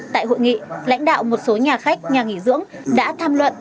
tại hội nghị lãnh đạo một số nhà khách nhà nghỉ dưỡng đã tham luận